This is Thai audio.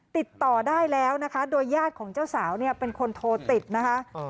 ติดต่อได้แล้วนะคะโดยญาติของเจ้าสาวเนี่ยเป็นคนโทรติดนะคะ